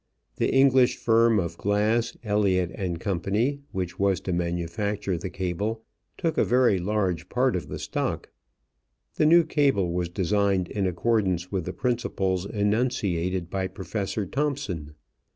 The English firm of Glass, Eliot & Company, which was to manufacture the cable, took a very large part of the stock. The new cable was designed in accordance with the principles enunciated by Professor Thomson.